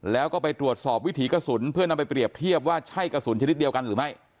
แล้วก็ไปตรวจสอบวิถีกระสุนเพื่อนำไปเปรียบเทียบว่าใช่กระสุนชนิดเดียวกันหรือไม่